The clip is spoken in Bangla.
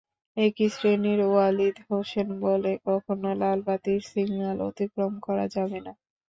একই শ্রেণির ওয়ালিদ হোসেন বলে, কখনো লালবাতির সিগন্যাল অতিক্রম করা যাবে না।